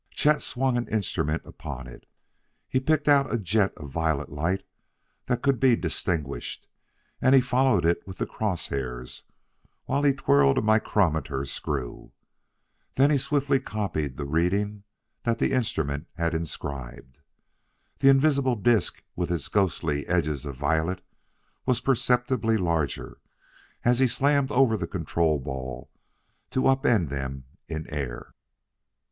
Chet swung an instrument upon it. He picked out a jet of violet light that could be distinguished, and he followed it with the cross hairs while he twirled a micrometer screw; then he swiftly copied the reading that the instrument had inscribed. The invisible disk with its ghostly edges of violet was perceptibly larger as he slammed over the control ball to up end them in air.